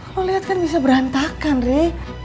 kalo liat kan bisa berantakan re